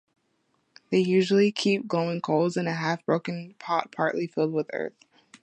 They usually keep glowing coals in a half-broken pot partly filled with earth.